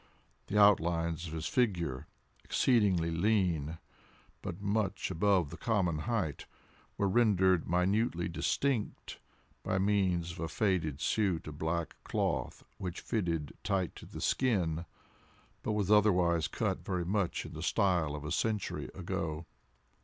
The outlines of his figure, exceedingly lean, but much above the common height, were rendered minutely distinct, by means of a faded suit of black cloth which fitted tight to the skin, but was otherwise cut very much in the style of a century ago.